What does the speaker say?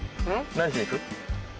何しに行く？